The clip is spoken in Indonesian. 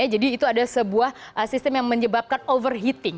jadi itu ada sebuah sistem yang menyebabkan overheating